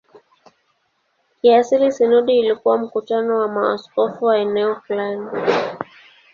Kiasili sinodi ilikuwa mkutano wa maaskofu wa eneo fulani.